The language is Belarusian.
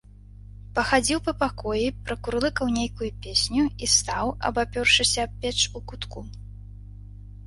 Пахадзіў па пакоі, пракурлыкаў нейкую песню і стаў, абапёршыся аб печ, у кутку.